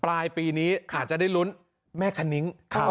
ปลายปีนี้อาจจะได้ลุ้นแม่คณิ้ง